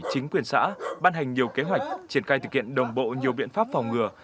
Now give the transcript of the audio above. chính quyền xã ban hành nhiều kế hoạch triển khai thực hiện đồng bộ nhiều biện pháp phòng ngừa